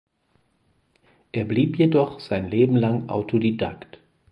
Er blieb jedoch sein Leben lang Autodidakt.